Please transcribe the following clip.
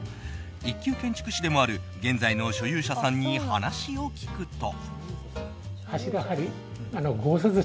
一級建築士でもある現在の所有者さんに話を聞くと。